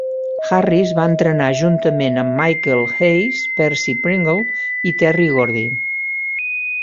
Harris va entrenar juntament amb Michael Hayes, Percy Pringle i Terry Gordy.